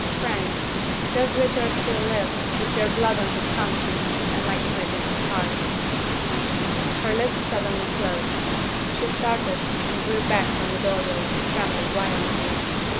Frank! does Richard still live, with your blood on his conscience, and my image in his heart?" Her lips suddenly closed. She started, and drew back from the doorway, trembling violently.